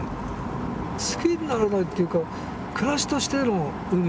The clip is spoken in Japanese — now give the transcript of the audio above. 好きにならないっていうか暮らしとしての海はね。